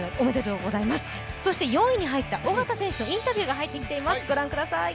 そして４位に入った小方選手のインタビュー入ってきております。